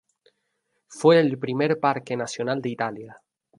Fue el primer parque nacional de Italia.